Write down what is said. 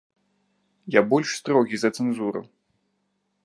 Я больш строгі за цэнзуру.